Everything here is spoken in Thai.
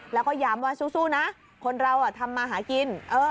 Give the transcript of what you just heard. แล้วก็ย้ำว่าสู้นะคนเราทำมาหากิน